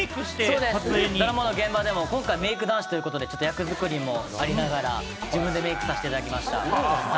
そうですね、ドラマの現場でもメイク男子ということで、役作りもありながら自分でメイクさせていただきました。